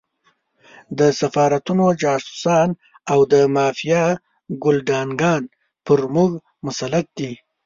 د سفارتونو جاسوسان او د مافیا ګُلډانګان پر موږ مسلط دي.